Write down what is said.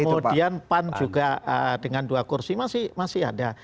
dan kemudian pan juga dengan dua kursi masih ada